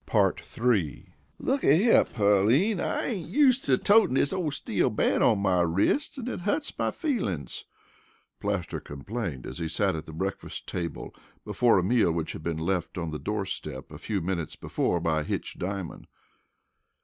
III. "Looky here, Pearline, I ain't used to totin' dis ole steel band on my wrist an' it hurts my feelin's," Plaster complained as he sat at the breakfast table before a meal which had been left on the door step a few minutes before by Hitch Diamond.